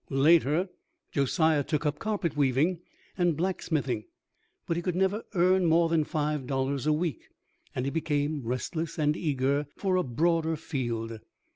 Later, Josiah took up carpet weaving and blacksmithing; but he could never earn more than five dollars a week, and he became restless and eager for a broader field.